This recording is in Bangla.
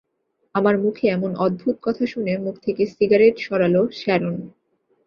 আমার মুখে এমন অদ্ভুত কথা শুনে মুখ থেকে সিগারেট সরাল শ্যারন।